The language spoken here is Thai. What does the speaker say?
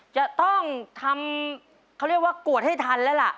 จะต้องทำเขาเรียกว่ากวดให้ทันแล้วล่ะ